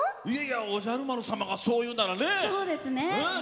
おじゃる丸様がそう言うならね。